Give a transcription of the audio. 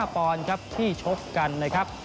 ปอนด์ครับที่ชกกันนะครับ